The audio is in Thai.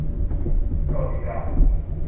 สวัสดิการ